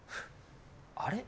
あれ？